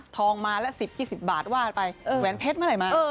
ทองมาแล้วสิบกี่สิบบาทว่าไปแวนเพชรเมื่อไหร่มา